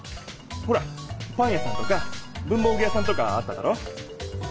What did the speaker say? ほらパン屋さんとか文房具屋さんとかあっただろ？